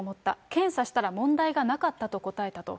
検査したら問題がなかったと答えたと。